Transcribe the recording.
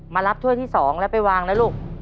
มารับถ้วยที่๒แล้วไปวางนะลูก